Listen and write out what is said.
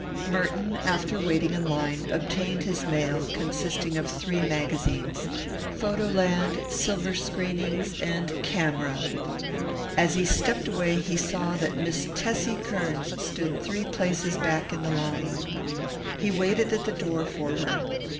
Merton, after waiting in line, obtained his mail, consisting of three magazines Photo Land, Silver Screenings, and Camera. As he stepped away he saw that Miss Tessie Kearns stood three places back in the line. He waited at the door for her.